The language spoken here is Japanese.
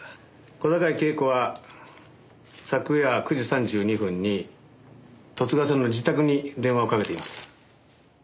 小坂井恵子は昨夜９時３２分に十津川さんの自宅に電話をかけています。